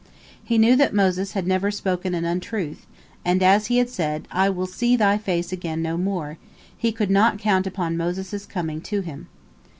He knew that Moses had never spoken an untruth, and as he had said, "I will see thy face again no more," he could not count upon Moses' coming to him.